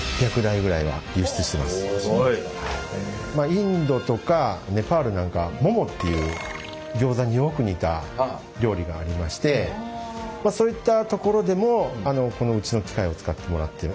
インドとかネパールなんかモモっていうギョーザによく似た料理がありましてそういったところでもこのうちの機械を使ってもらっている。